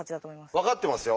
分かってますよ。